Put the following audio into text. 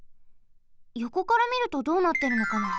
よこからみるとどうなってるのかな。